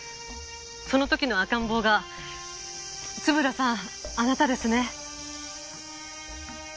その時の赤ん坊が津村さんあなたですね？